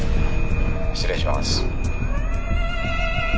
失礼します。